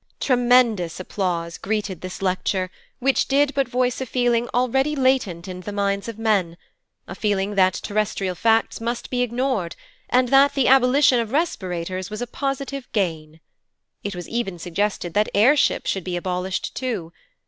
Tremendous applause greeted this lecture, which did but voice a feeling already latent in the minds of men a feeling that terrestrial facts must be ignored, and that the abolition of respirators was a positive gain. It was even suggested that air ships should be abolished too.